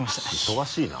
忙しいな。